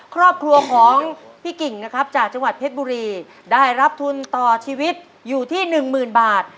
ครอบครัวของพี่กิ่งนะครับจากจังหวัดเพชรบุรีได้รับทุนต่อชีวิตอยู่ที่หนึ่งหมื่นบาท